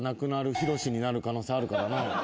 博になる可能性あるからな。